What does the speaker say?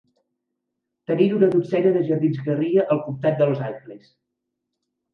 Tenint una dotzena de jardins guerrilla al comtat de Los Angeles.